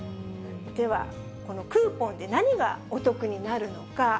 では、このクーポンで何がお得になるのか。